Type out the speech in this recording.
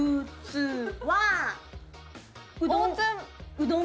うどん。